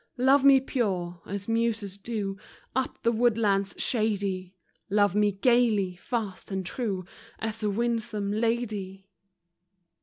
Love me pure, as musers do, Up the woodlands shady; Love me gayly, fast, and true, As a winsome lady.